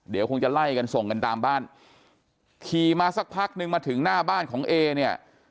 เดี๋ยวคงจะไล่กันส่งกันตามบ้านขี่มาสักพักนึงมาถึงหน้าบ้านของเอเนี่ย